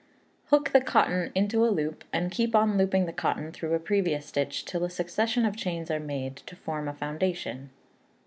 Hook the cotton into a loop, and keep on looping the cotton through a previous stitch till a succession of chains are made to form a foundation.